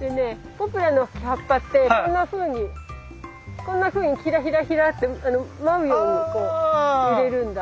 でねポプラの葉っぱってこんなふうにこんなふうにヒラヒラヒラって舞うようにこう揺れるんだ。